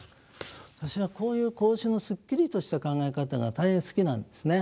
私はこういう孔子のすっきりとした考え方が大変好きなんですね。